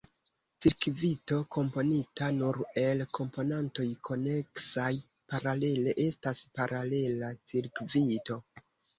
Cirkvito komponita nur el komponantoj koneksaj paralele estas paralela cirkvito.